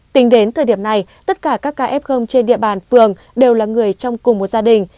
tính đến thời điểm này tất cả các ca f trên địa bàn phường đều là người trong cùng một gia đình